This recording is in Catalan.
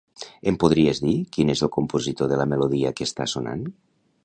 Em podries dir qui és el compositor de la melodia que està sonant?